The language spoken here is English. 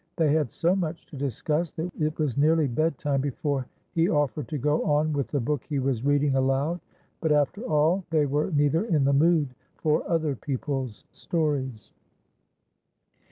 They had so much to discuss that it was nearly bedtime before he offered to go on with the book he was reading aloud, but after all they were neither in the mood for other people's stories.